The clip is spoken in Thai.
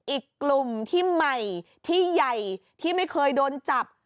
อีกกลุ่มที่ใหม่ที่ใหญ่ที่ไม่เคยโดนจับ